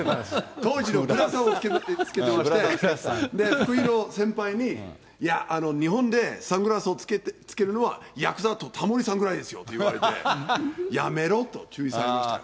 当時のグラサンをつけてまして、福井の先輩にいや、日本でサングラスをつけるのはやくざとタモリさんぐらいですよって言われて、やめろと、注意されました。